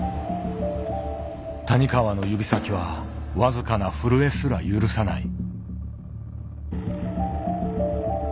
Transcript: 谷川の指先は僅かな震えすら許さない。